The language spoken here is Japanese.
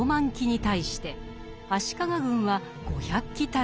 騎に対して足利軍は５００騎足らず。